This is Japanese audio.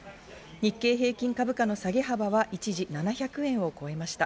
日経平均株価の下げ幅は一時７００円を超えました。